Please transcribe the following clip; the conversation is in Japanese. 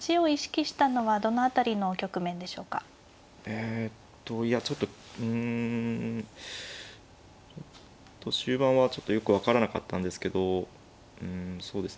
えといやちょっとうん終盤はちょっとよく分からなかったんですけどうんそうですね